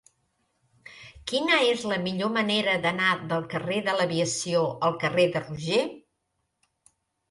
Quina és la millor manera d'anar del carrer de l'Aviació al carrer de Roger?